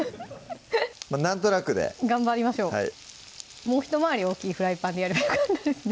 まぁなんとなくで頑張りましょうもう一回り大きいフライパンでやればよかったですね